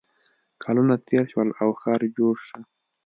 کلونه تېر شول او ښار جوړ شو